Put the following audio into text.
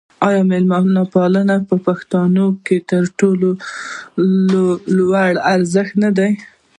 آیا میلمه پالنه د پښتنو تر ټولو لوی ارزښت نه دی؟